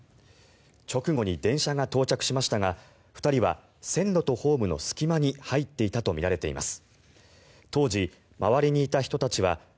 直後に電車が到着しましたが２人は線路とホームの隙間に入っていたとみられています。